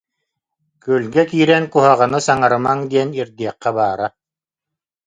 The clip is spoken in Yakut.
Күөлгэ киирэн куһаҕаны саҥарымаҥ диэн ирдиэххэ баара.